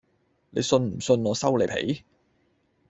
你信唔信我收你皮